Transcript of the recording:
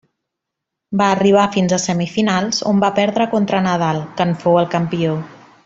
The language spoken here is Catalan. Va arribar fins a semifinals on va perdre contra Nadal, que en fou el campió.